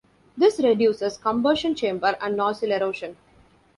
This reduces combustion chamber and nozzle erosion.